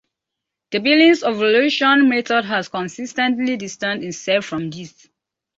The Billings Ovulation Method has consistently distanced itself from these.